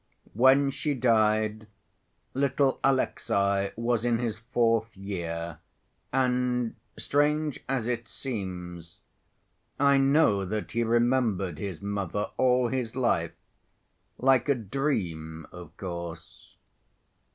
When she died, little Alexey was in his fourth year, and, strange as it seems, I know that he remembered his mother all his life, like a dream, of course.